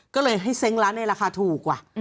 ก็เลยให้เซ้งร้านในราคาถูกกว่า